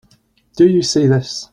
Do you see this?